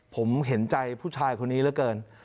ผมเห็นใจผู้ชายคนนี้เหลือเกิน